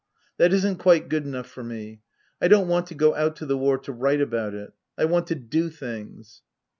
That isn't quite good enough for me. I don't want to go out to the war to write about it. I want to do things.